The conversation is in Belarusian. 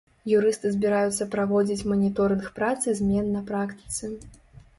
Юрысты збіраюцца праводзіць маніторынг працы змен на практыцы.